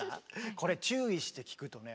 これ注意して聴くとね